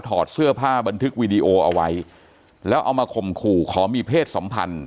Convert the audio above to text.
ถอดเสื้อผ้าบันทึกวีดีโอเอาไว้แล้วเอามาข่มขู่ขอมีเพศสัมพันธ์